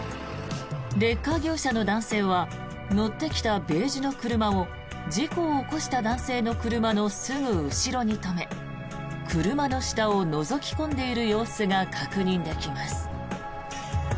レッカー業者の男性は乗ってきたベージュの車を事故を起こした男性の車のすぐ後ろに止め車の下をのぞき込んでいる様子が確認できます。